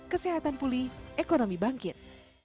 kesehatan pulih ekonomi bangkit